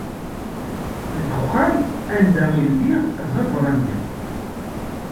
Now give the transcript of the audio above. Deg uxxam anda i lliɣ d aberrani.